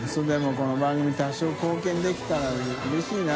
この番組多少貢献できたらうれしいな。